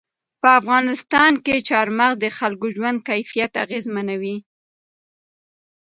په افغانستان کې چار مغز د خلکو ژوند کیفیت اغېزمنوي.